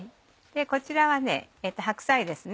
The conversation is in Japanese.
こちらは白菜ですね。